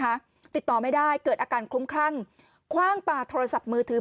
ติดต่อไม่ได้เกิดอาการคลุ้มคลั่งคว่างปลาโทรศัพท์มือถือ